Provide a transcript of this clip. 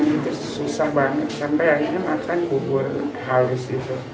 susah banget sampai akhirnya makan kubur halus